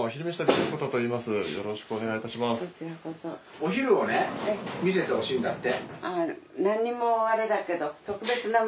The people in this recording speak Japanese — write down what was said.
お昼をね見せてほしいんだって。